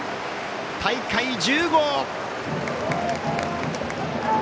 大会１０号！